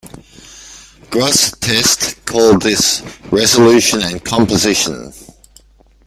Grosseteste called this "resolution and composition".